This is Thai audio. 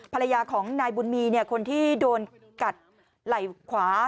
ภรรยาของนายบุญมีคนที่โดนกัดไหล่ขวา